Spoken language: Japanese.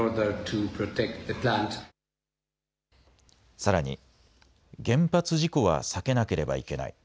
さらに原発事故は避けなければいけない。